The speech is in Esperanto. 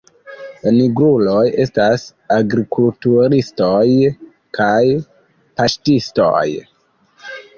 La nigruloj estas agrikulturistoj kaj paŝtistoj.